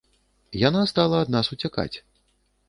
Яна стала ад нас уцякаць.